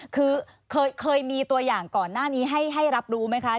คือเคยมีตัวอย่างก่อนหน้านี้ให้รับรู้ไหมคะ